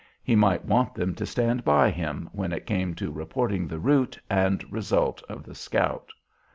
He might want them to stand by him when it came to reporting the route and result of the scout.